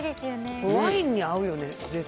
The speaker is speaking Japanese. ワインに合うよね、絶対。